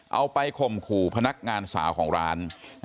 ไปข่มขู่พนักงานสาวของร้าน